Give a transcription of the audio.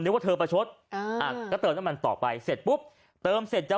ว่าเธอประชดอ่าก็เติมน้ำมันต่อไปเสร็จปุ๊บเติมเสร็จจะ